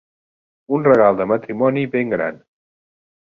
Un regal de matrimoni, ben gran.